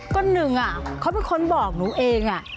ก็หนึ่งเขาเป็นคนบอกหนูเอง